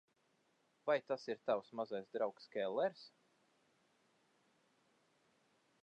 Vai tas ir tavs mazais draugs Kellers?